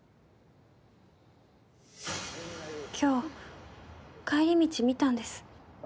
今日帰り道見たんです。